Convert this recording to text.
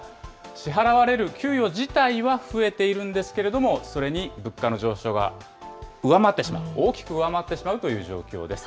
支払われる給与自体は増えているんですけれども、それに物価の上昇が上回ってしまう、大きく上回ってしまうという状況です。